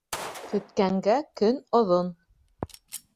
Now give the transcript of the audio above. Көткәнгә көн оҙон